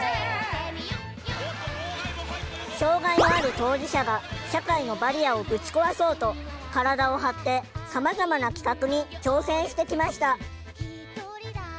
障害のある当事者が社会のバリアをぶち壊そうと体を張ってさまざまな企画に挑戦してきました。